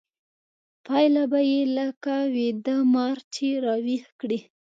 پايله به يې لکه ويده مار چې راويښ کړې.